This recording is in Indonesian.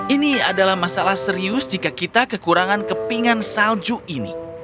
ini adalah masalah serius jika kita kekurangan kepingan salju ini